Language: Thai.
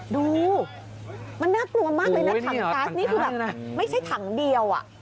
ดูมันน่ากลัวมากเลยนะถังกัสนี่คือแบบไม่ใช่ถังเดียว